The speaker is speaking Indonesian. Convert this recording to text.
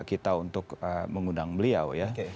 kita untuk mengundang beliau ya